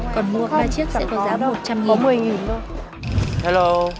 còn mua ba chiếc sẽ có giá một trăm linh nghìn